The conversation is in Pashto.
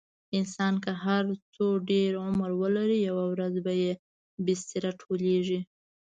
انسان که هر څو ډېر عمر ولري، یوه ورځ به یې بستره ټولېږي.